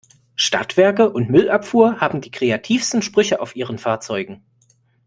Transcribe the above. Stadtwerke und Müllabfuhr haben die kreativsten Sprüche auf ihren Fahrzeugen.